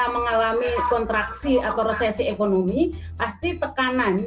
mengalami kontraksi atau resesi ekonomi pasti tekanan